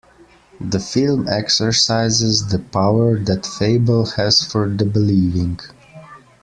The film exercises the power that fable has for the believing.